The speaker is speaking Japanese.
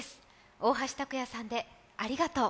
大橋卓弥さんで「ありがとう」。